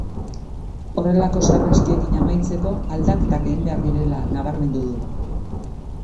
Horrelako sarraskiekin amaitzeko aldaketak egin behar direla nabarmendu du.